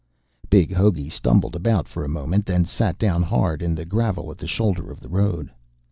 Big Hogey stumbled about for a moment, then sat down hard in the gravel at the shoulder of the road.